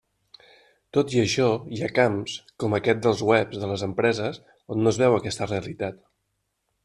Tot i això, hi ha camps, com aquest dels webs de les empreses on no es veu aquesta realitat.